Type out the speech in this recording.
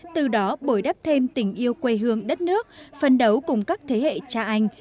từ đó bồi đắp thêm tình yêu quê hương đất nước phân đấu cùng các thế hệ cha anh